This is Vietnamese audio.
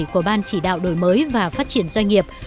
của ban chỉ đạo đổi mới và phát triển doanh nghiệp